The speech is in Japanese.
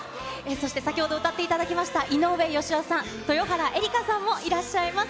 そして、先ほど歌っていただきました井上芳雄さん、豊原江理佳さんもいらっしゃいます。